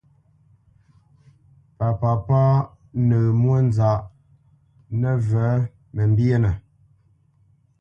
Pa papá nǝ̂ǝ̂ mwónzaʼ nǝvǝ̂ mǝmbyénǝ.